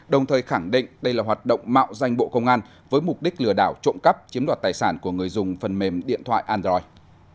đồng thời khẳng định đây là hoạt động mạo danh bộ công an với mục đích lừa đảo trộm cắp chiếm đoạt tài sản của người dùng phần mềm điện thoại android